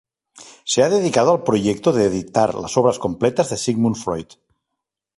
Se ha dedicado al proyecto de editar las obras completas de Sigmund Freud.